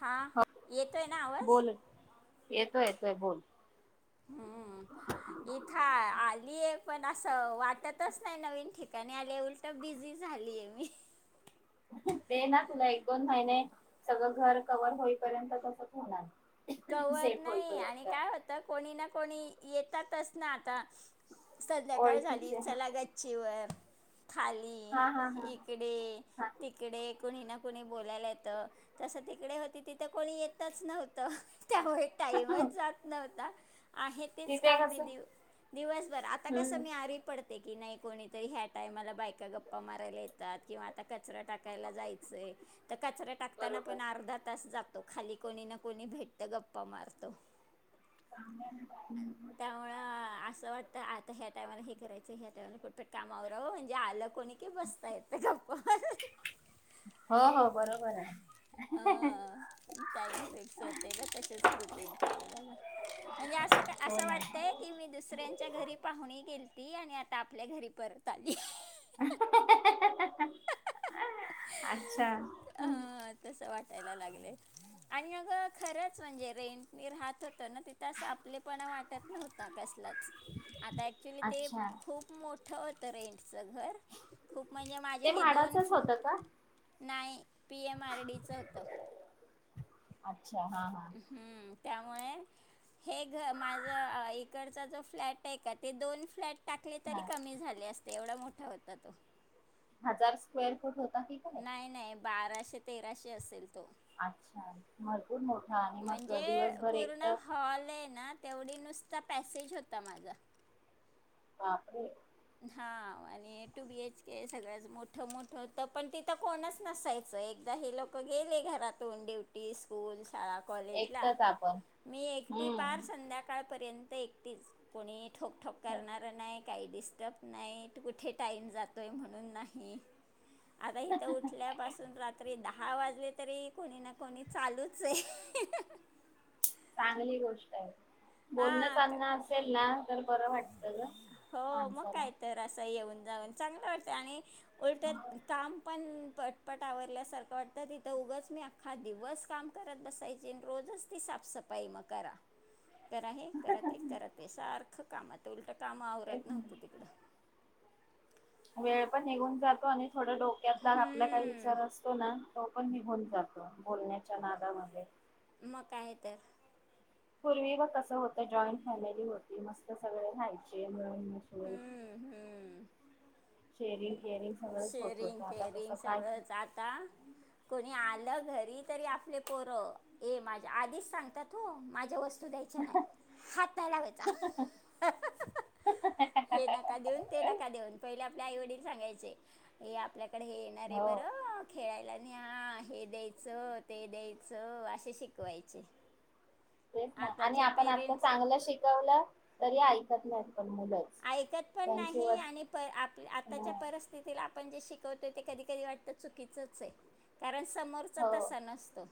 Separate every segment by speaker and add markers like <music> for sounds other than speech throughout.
Speaker 1: हा
Speaker 2: हो
Speaker 1: येतोय ना आवाज
Speaker 2: ते बोलतयं
Speaker 1: हम्म इथं तस नाही. नवीन ठिकाणी आले उलट बिझी झालीय मी
Speaker 2: ते ना तुला एक दोन महिने सगळं घर कवर होईपर्यंत तसच होणार.
Speaker 1: कव्हर्
Speaker 2: सेट
Speaker 1: नाही आणि
Speaker 2: होईपर्यंत.
Speaker 1: काय होत कोणी ना कोणी, येतातच ना आता संध्याकाळ झाली.
Speaker 2: ओळखीचे
Speaker 1: चला गच्ची वर खाली
Speaker 2: हा हा हा
Speaker 1: इकडे तिकडे कोणी नको कुणी बोलायला येतं तसं तिकडे होती तिथे कोणी येतच नव्हतं. त्यामुळे
Speaker 2: हा
Speaker 1: टाईमच जात नव्हता. आहे तेच
Speaker 2: तिथे
Speaker 1: काम मी
Speaker 2: कसं
Speaker 1: दिव दिवसभर आता कसं
Speaker 2: हम्म
Speaker 1: मी आरी पडत. नाही कोणीतरी ह्या टायमाला बायका गप्पा मारायला येतात, किंवा आता. कचरा टाकायला जायच, तर कचरा टाकताना
Speaker 2: बरोबर.
Speaker 1: पण अर्धा तास जा. जातो खाली कोणी ना कोणी भेट. भेटत गप्पा मारत. त्यामुळं असं वाट. आता ह्या टायमाला हे करायचं, ह्या टायमाला पटपट काम आ वररावं म्हणजे आल्यावर. कोणी की बसता येत गप्पा मारत
Speaker 2: हो हो बरोबर आहे
Speaker 1: अ टाईम फिक्स असत. म्हणजे अस
Speaker 2: हो
Speaker 1: असं
Speaker 2: ना.
Speaker 1: वाटतय की मी दुसऱ्यांच्या घरी पाहुणी गेलती, आणि आता. ता आपल्या घरी परत आली.
Speaker 2: अच्छा
Speaker 1: तस वाटायला लागलय. आणि अगं. खरंच म्हणजे रेंट राहात होत ना, तिथं अस आपलेपणा वाटत नव्हता कसलाच. आता ऍक्च्युली ते
Speaker 2: अच्छा
Speaker 1: खूप मोठ. <unintelligible> घर खूप म्हणजे माझे
Speaker 2: ते
Speaker 1: हे दोन.
Speaker 2: म्हाडाचच होतं का?
Speaker 1: नाही पी एम आर डीचं होतं.
Speaker 2: अच्छा हा, हा.
Speaker 1: हम्म त्यामुळे हे घर माझं इकडचा जो फ्लॅट हाय का, ते दोन फ्लॅट. टाकले तरी
Speaker 2: हा
Speaker 1: कमी झाले असते. तेवढा मोठा होता तो.
Speaker 2: हजार स्क्वेअर फुट होत.
Speaker 1: नाही नाही बाराशे बर, तेराशे असेल. तो
Speaker 2: अच्छा भरपूर मोठा आणि मग
Speaker 1: म्हणजे
Speaker 2: दिवसभर एक
Speaker 1: पूर्ण
Speaker 2: तर.
Speaker 1: हॉल आहे ना तेवढी नुसता पॅसेज होता माझा.
Speaker 2: बापरे.
Speaker 1: हा आणि टू बी एच के सगळंच मोठं मोठं होतं. पण तिथं कोणच नसायचं एकदा हे लोक गेले घरातून ड्युटी स्कूलस. शाळा कॉलेजला.
Speaker 2: एकटच आपण
Speaker 1: मी एकटी पार
Speaker 2: हम्म
Speaker 1: संध्याकाळ. पर्यंत एकटिच कोणी. ठोक, ठोक करणार नाही. काय दिस त्यात नाही. कुठे टाईम जातोय म्हणून नाही. आता इथं उठल्यापासून रात्री दहा हा वाजले तरी कोणी ना कोणी चालूच आहे.
Speaker 2: चांगली गोष्ट आहे. बोलणं
Speaker 1: हा क-
Speaker 2: चालन असेल ना तर बरं वाटतं ग
Speaker 1: हो मग
Speaker 2: माणसाला.
Speaker 1: काय तर असं येऊन. जाऊन चांगलं वाटतं. आणि उलट काम पण पटपट आवरल्यासारखं वाटतं. तिथं उगच मी अख्खा दिवस काम करत बसायचे. रोजच ती साफसफाई मग करा. करा हे ते करा सारखं. कामात उलट काम
Speaker 2: तेच
Speaker 1: आवरत
Speaker 2: ना
Speaker 1: नव्हतं तिकडं.
Speaker 2: वेळ पण निघून जातो आणि थोड डोक्यातला आपला काही
Speaker 1: हम्म
Speaker 2: विचार असतो ना तो पण निघून जातो बोलण्याच्या नादामध्ये.
Speaker 1: मका काय तर.
Speaker 2: पूर्वी बघ कस होत जॉईंट फॅमिली होती. मस्त सगळे राहायचे. <unintelligible>
Speaker 1: हम्म
Speaker 2: शरीर
Speaker 1: शेरिंग केरिंग सगळंच आता. कोणी आलं घरी तरी आपले पोर ए माझ्या आधीच सांगतात हो माझ्या वस्तू हाथ नाही लावायचा. हे नका देऊ ते नका देऊ पाहिले आपले आई-वडील सांगायचे. हे आपल्या. डे हे येणार
Speaker 2: हो
Speaker 1: बरं खेळायला. आणि हा हे द्यायचं, ते द्यायचं असे शिकवायचे.
Speaker 2: तेच ना. आणि
Speaker 1: आताचे
Speaker 2: आपण आता
Speaker 1: पेरेंट्स
Speaker 2: चांगलं शिकवलं तरी ऐकत नाही.
Speaker 1: ऐकत पण नाही आणि प आप आताच्या परिस्थितीला आपण जे शिकवतोय ते कधीकधी वाटत चुकीचचचे कारण समोरचा
Speaker 2: हो
Speaker 1: तसा नसतो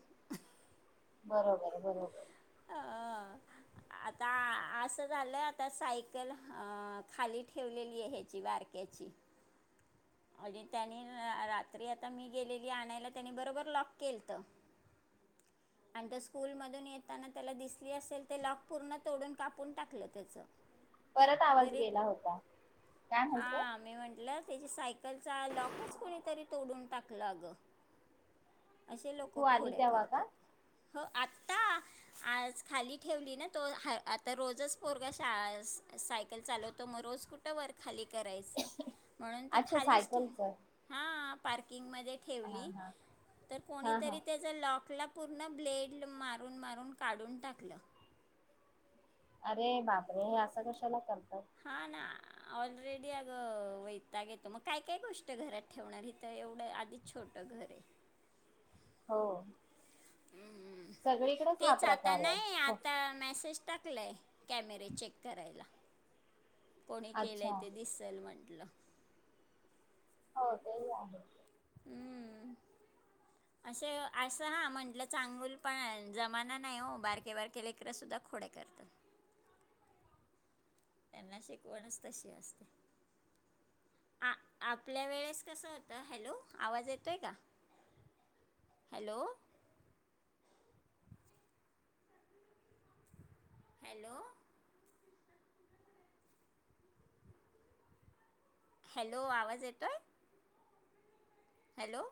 Speaker 2: बरोबर बरोबर
Speaker 1: हं अ आता असं झालं आता सायकल हं खाली ठेवलेली आहे हेची बारक्याची आणि त्यानी रात्री आता मी गेलेली आणायला त्यानी बरोबर लॉक केलत आणि स्कूलमधून ये त्यानं त्याला दिसली असेल ते लॉक पूर्ण तोडून, कापून टाकलं त्याच
Speaker 2: परत आवाज गेला होता, काय म्हणते
Speaker 1: हां मी म्हटलं त्याची सायकलचा लॉकच कोणीतरी तोडून टाकलं अगं असे लोकं
Speaker 2: तू आली
Speaker 1: खोड्या
Speaker 2: तेव्हा का
Speaker 1: करतात. हो आता आज खाली ठेवली ना तो हा आता रोजच पोरगा शाळा सा सायकल चालवतो मग रोज कुठं वर खाली करायचं म्हणून ती
Speaker 2: अच्छा
Speaker 1: खालीच ठ
Speaker 2: सायकलच
Speaker 1: हां पार्किंग म
Speaker 2: हा
Speaker 1: ठेवली
Speaker 2: हा
Speaker 1: तर
Speaker 2: हा हा
Speaker 1: कोणीतरी त्याज लॉकला पूर्ण ब्लेड मारून मा णुन काढून टाकलं
Speaker 2: अरे बापरे हे असं कशाला कर
Speaker 1: हा ना ऑलरेडी अगं वैताग येतो मग काय काय गोष्ट घरात ठेवणार हीत तर एवढं आधीच छोटं घर हे
Speaker 2: हो सगळीकडच हा
Speaker 1: तेच आता
Speaker 2: प्रकार हाय
Speaker 1: नाही
Speaker 2: हो
Speaker 1: आता मेसेज टाकलाय कॅमेरे चेक करायला कोणी केलंय
Speaker 2: अच्छा
Speaker 1: ते दिसल म्हण <unintelligible>
Speaker 2: हो तेही आहे.
Speaker 1: हम असे असं हा म्हटलं चांगूल पण जमाना नाही हो बारके बारके लेकरसुद्धा खोड्या करतात त्यांना शिकवणच तशी असते आ आपल्या वेळेस कस होतं हॅलो आवाज येतोय का हॅलो हॅलो हॅलो आवाज येतोय हॅलो